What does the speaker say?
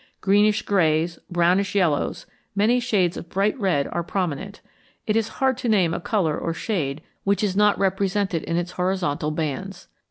Greenish grays, brownish yellows, many shades of bright red, are prominent; it is hard to name a color or shade which is not represented in its horizontal bands.